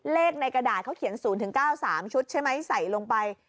เลขในกระดาษเขาเขียน๐๙๓ชุดใช่ไหมใส่ลงไป